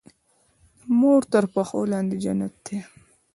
د مور تر پښو لاندي جنت دی.